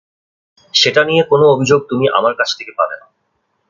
সেটা নিয়ে কোনো অভিযোগ তুমি আমার কাছ থেকে পাবে না।